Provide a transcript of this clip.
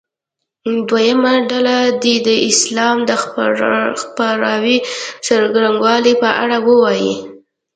دویمه ډله دې د اسلام د خپراوي څرنګوالي په اړه ووایي.